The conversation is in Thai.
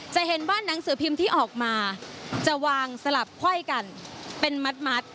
จะเห็นว่าหนังสือพิมพ์ที่ออกมาจะวางสลับไขว้กันเป็นมัด